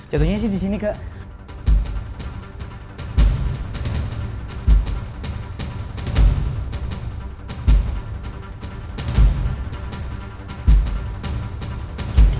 jatuhnya sih di sini kak